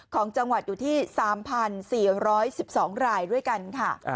ของจังหวัดอยู่ที่๓๔๑๒รายด้วยกันค่ะ